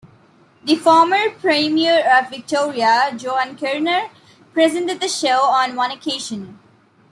The former Premier of Victoria, Joan Kirner, presented the show on one occasion.